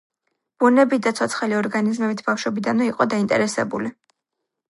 ბუნებით და ცოცხალი ორგანიზმებით ბავშვობიდანვე იყო დაინტერესებული.